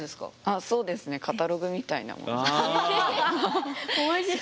あそうですね。カタログみたいなものです。